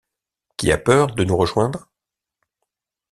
Qui a peur de nous rejoindre.